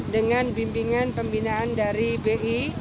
dengan bimbingan pembinaan dari bi